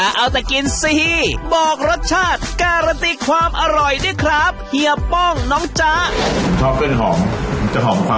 เมื่อแบบนึบกินแล้วต้องนึกถึงโนอา